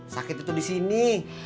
sakit itu di sini